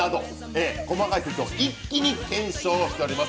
細かい説を一気に検証しております。